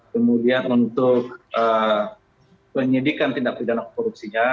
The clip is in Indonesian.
kemudian untuk penyidikan tindak pidana korupsinya